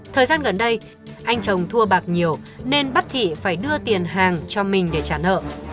thời gian gần đây anh chồng thua bạc nhiều nên bắt thị phải đưa tiền hàng cho mình để trả nợ